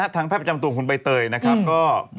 ทางแพทย์ประจำตัวของคุณใบเตยนะครับก็